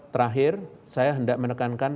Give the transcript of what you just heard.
terakhir saya hendak menekankan